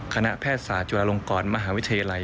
คณะแพทยศาสตุลาลงกรมหาวิทยาลัย